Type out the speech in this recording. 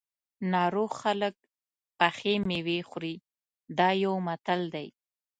ناروغ خلک پخې مېوې خوري دا یو متل دی.